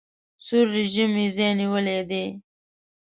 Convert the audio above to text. سور رژیم یې ځای نیولی دی.